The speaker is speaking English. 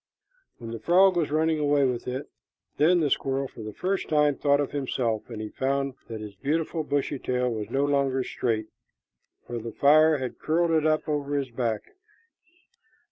When the frog was running away with it, then the squirrel for the first time thought of himself, and he found that his beautiful bushy tail was no longer straight, for the fire had curled it up over his back.